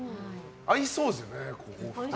合いそうですよね、お二人。